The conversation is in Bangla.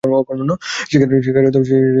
সেখানে তিনি ব্যবহারিক বিষয়ে শিক্ষকতা করেন।